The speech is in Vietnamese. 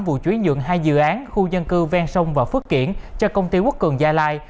vụ chuyển nhượng hai dự án khu dân cư ven sông và phước kiển cho công ty quốc cường gia lai